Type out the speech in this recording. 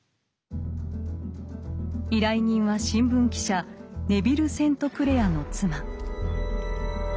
依頼人は新聞記者ネヴィル・セントクレアの妻。